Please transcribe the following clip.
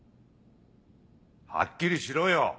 はっきりしろよ。